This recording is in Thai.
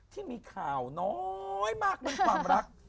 ที่มีข่าวน้อยมากบนความรัก